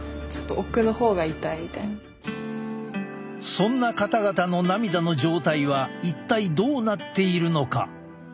そんな方々の涙の状態は一体どうなっているのか？